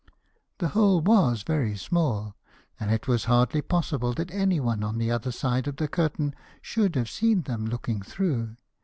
The hole was very small, and it was hardly possible that anyone on the other side of the curtain should have seen them looking through.